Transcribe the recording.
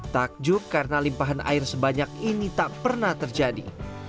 takjub karena limpahan air sebanyak ini tak pernah terjadi